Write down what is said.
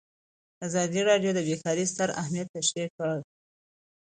ازادي راډیو د بیکاري ستر اهميت تشریح کړی.